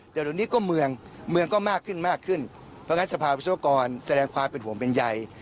แต่เดี๋ยวนี้ก็เมืองเมืองก็มากขึ้นมากขึ้นเพราะงั้นสภาวิศวกรแสดงความเป็นห่วงเป็นใย